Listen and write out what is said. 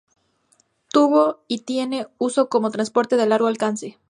Tuvo y tiene uso como transporte de largo alcance.